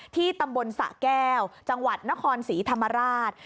ที่ตำบลสะแก้วจังหวัดนครศรีธรรมราช